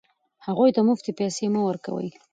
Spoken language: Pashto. هغوی ته مفتې پیسې مه ورکوئ.